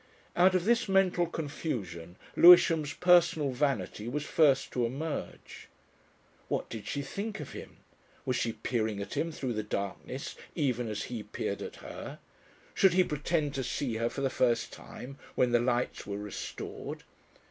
Out of this mental confusion Lewisham's personal vanity was first to emerge. What did she think of him? Was she peering at him through the darkness even as he peered at her? Should he pretend to see her for the first time when the lights were restored?